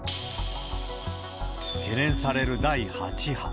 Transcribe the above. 懸念される第８波。